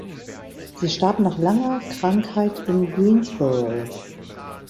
Sie starb nach langer Krankheit in Greensboro.